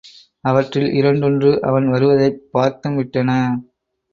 அவற்றில் இரண்டொன்று அவன் வருவதைப் பார்த்தும்விட்டன.